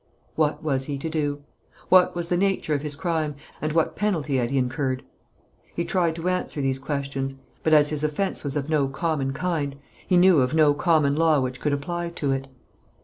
What was he to do? What was the nature of his crime, and what penalty had he incurred? He tried to answer these questions; but as his offence was of no common kind, he knew of no common law which could apply to it.